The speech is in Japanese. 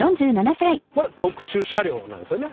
これ特殊車両なんですよね？